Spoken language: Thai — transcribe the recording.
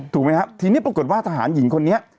ถึงทีนี้ปรากฏว่าทหารหญิงคนนี้